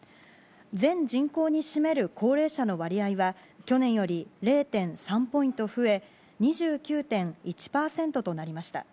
全人口に占める高齢者の割合は去年より０．３ポイント増え２９．１％となりました。